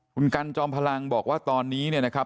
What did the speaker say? คุณกันจอมพลังบอกว่าตอนนี้เนี่ยนะครับ